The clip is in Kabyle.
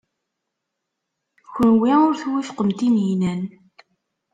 Kenwi ur twufqem Tunhinan.